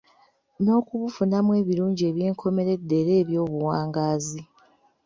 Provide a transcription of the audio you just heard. N'okubufunamu ebirungi eby'enkomeredde era eby'obuwangaazi.